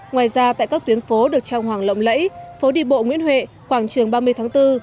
ngoài ra tại các tuyến phố được trang hoàng lộng lẫy phố đi bộ nguyễn huệ quảng trường ba mươi tháng bốn